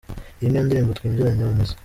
Iyi niyo ndirimbo twinjiranye mu misa.